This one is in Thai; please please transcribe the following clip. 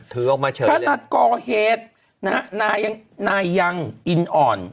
ถือออกมาเฉยถ้าตัดกอเหตุนายังอินอ่อน